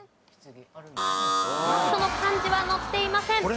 その漢字は載っていません。